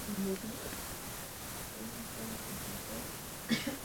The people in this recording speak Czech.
Tam musíme začít.